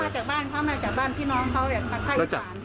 เขามาจากบ้านพี่น้องเขาแบบแค่อีก๓